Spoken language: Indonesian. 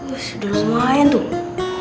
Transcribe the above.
udah lumayan tuh